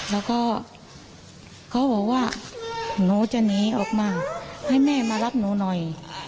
แล้วก็เขาบอกว่าหนูจะหนีออกมาให้แม่มารับหนูหน่อย